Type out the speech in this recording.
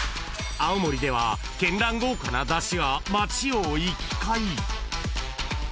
［青森では絢爛豪華な山車が町を行き交い］